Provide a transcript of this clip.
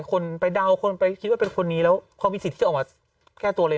คนไปเดาคนไปคิดว่าเป็นคนนี้แล้วเขามีสิทธิ์จะออกมาแก้ตัวเลย